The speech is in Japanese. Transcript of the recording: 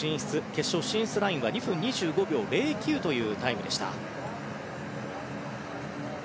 決勝進出ラインは２分２５秒０９というタイムでした。